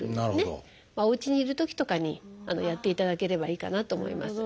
おうちにいるときとかにやっていただければいいかなと思います。